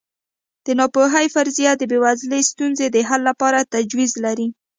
د ناپوهۍ فرضیه د بېوزلۍ ستونزې د حل لپاره تجویز لري.